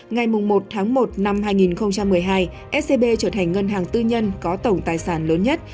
ngày một tháng một năm hai nghìn một mươi hai scb trở thành ngân hàng tư nhân có tổng tài sản lớn nhất